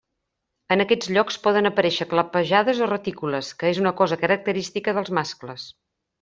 En aquests llocs poden aparèixer clapejades o retícules, que és una cosa característica dels mascles.